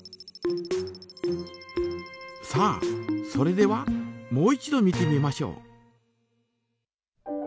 さあそれではもう一度見てみましょう。